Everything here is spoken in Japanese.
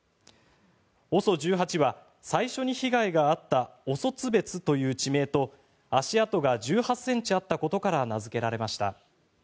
ＯＳＯ１８は最初に被害があったオソツベツという地名と足跡が１８ｃｍあったことから名付けられました。